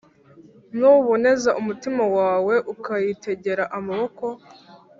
“nuboneza umutima wawe ukayitegera amaboko,